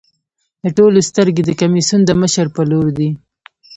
د ټولو سترګې د کمېسیون د مشر په لور دي.